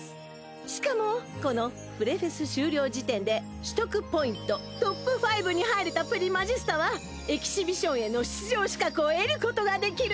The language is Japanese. しかもこのフレフェス終了時点で取得ポイントトップ５に入れたプリマジスタはエキシビションへの出場資格を得ることができる！